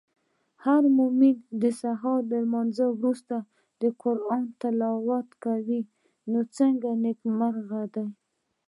هرمومن د سهار د لمانځه وروسته د قرانکریم تلاوت کوی نو ځکه نیکمرغه دی.